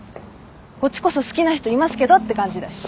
こっちこそ好きな人いますけどって感じだし。